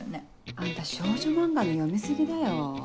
あんた少女漫画の読み過ぎだよ。